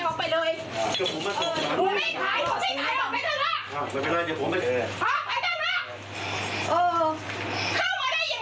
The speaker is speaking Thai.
บ้างข้าวโบก็เรียก